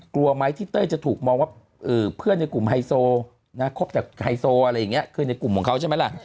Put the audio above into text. กลัวไหมที่เต้ยจะถูกมองว่าเพื่อนในกลุ่มไฮโซนะคบแต่ไฮโซอะไรอย่างนี้คือในกลุ่มของเขาใช่ไหมล่ะ